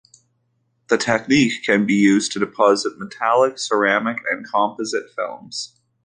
The technique can be used to deposit metallic, ceramic, and composite films.